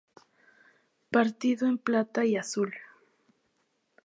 Partido en plata y azul.